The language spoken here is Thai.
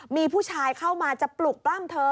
มีผู้ชายเข้ามาจะปลุกปล้ำเธอ